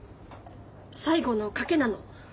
最後の賭けなの。